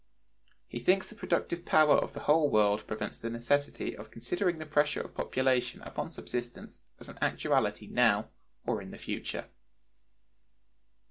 He thinks the productive power of the whole world prevents the necessity of considering the pressure of population upon subsistence as an actuality now or in the future.